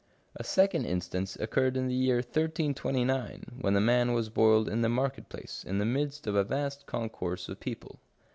A second instance occurred in the year 1329, when the man was boiled in the market place in the midst of a vast concourse of people.